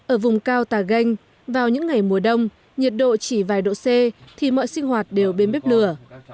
ở vùng cao tà ganh vào những ngày mùa đông nhiệt độ chỉ vài độ c thì mọi sinh hoạt đều bên bếp lửa